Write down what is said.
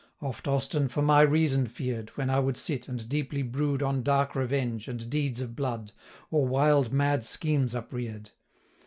Oft Austin for my reason fear'd, When I would sit, and deeply brood On dark revenge, and deeds of blood, Or wild mad schemes uprear'd.